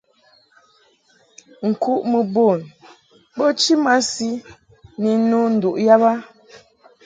Nkuʼmɨ bun bo chi masi ni nno nduʼ yab a.